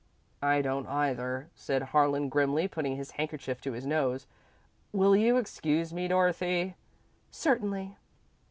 "I don't, either," said Harlan, grimly, putting his handkerchief to his nose. "Will you excuse me, Dorothy?" "Certainly."